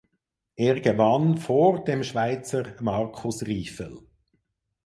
Er gewann vor dem Schweizer Markus Ryffel.